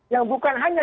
yang bukan hanya